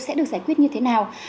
sẽ được giải quyết như thế nào